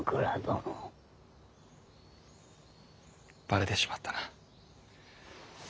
ばれてしまったな。